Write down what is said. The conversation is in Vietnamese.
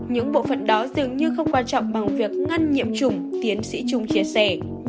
những bộ phận đó dường như không quan trọng bằng việc ngăn nhiễm chủng tiến sĩ trung chia sẻ